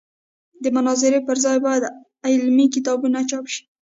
د مناظرې پر ځای باید علمي کتابونه چاپ شي.